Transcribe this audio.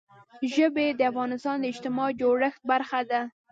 ژبې د افغانستان د اجتماعي جوړښت برخه ده.